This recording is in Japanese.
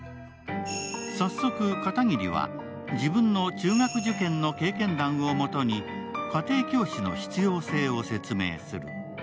早速、片桐は自分の中学受験の経験談をもとに家庭教師の必要性を説明する。